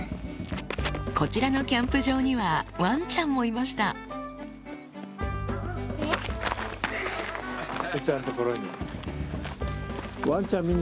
こちらのキャンプ場にはワンちゃんもいましたこちらのところに。